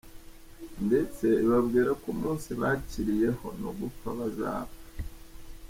Ndetse ibabwira ko umunsi bakiriyeho no gupfa bazapfa.